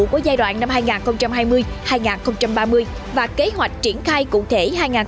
của giai đoạn năm hai nghìn hai mươi hai nghìn ba mươi và kế hoạch triển khai cụ thể hai nghìn một mươi chín hai nghìn hai mươi